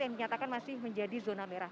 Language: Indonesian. yang dinyatakan masih menjadi zona merah